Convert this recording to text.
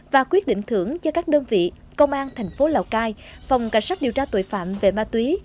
và quyết định thưởng cho các đơn vị công an thành phố lào cai phòng cảnh sát điều tra tội phạm về ma túy